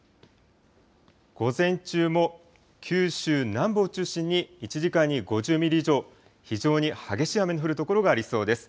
午前中も九州南部を中心に１時間に５０ミリ以上、非常に激しい雨の降る所がありそうです。